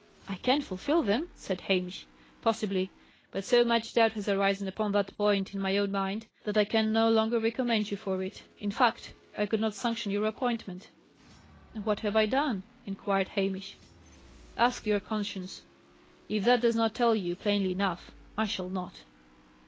"I can fulfil them," said Hamish. "Possibly. But so much doubt has arisen upon that point in my own mind, that I can no longer recommend you for it. In fact, I could not sanction your appointment." "What have I done?" inquired Hamish. "Ask your conscience. If that does not tell you plainly enough, I shall not."